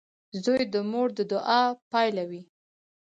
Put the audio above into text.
• زوی د مور د دعا پایله وي.